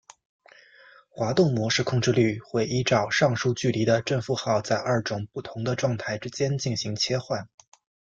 滑动模式控制律会依照上述距离的正负号在二种不同的状态之间进行切换。